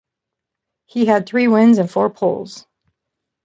He had three wins and four poles.